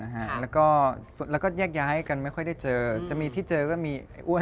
หลายคนจะถามว่า